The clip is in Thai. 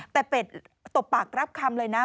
แต่เป็ดตบปากรับคำเลยนะ